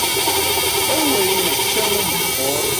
Awer inneḥcam umeḥqur!